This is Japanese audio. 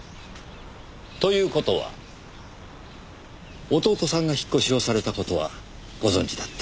という事は弟さんが引っ越しをされた事はご存じだった。